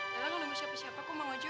lela nunggu siapa siapa kok emang ojo